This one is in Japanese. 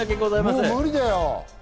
もう無理だよ。